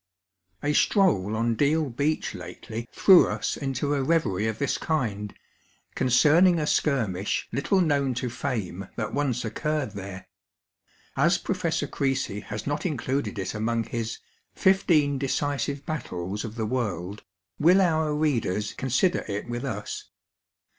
A stroll on Deal Beach lately threw us into a reverie of this kind, concerning a skirmish little known to fame that once occurred there. As Professor Creasy has not included it among his Fifteen Decisive Battles of the World,'* will our readers consider it with us?